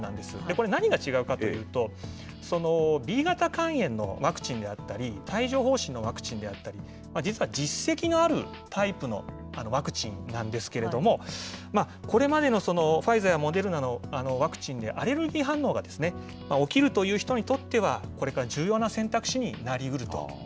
これ、何が違うかというと、Ｂ型肝炎のワクチンであったり、帯状ほう疹のワクチンであったり、実は実績のあるタイプのワクチンなんですけれども、これまでのファイザーやモデルナのワクチンでアレルギー反応が起きるという人にとっては、これから重要な選択肢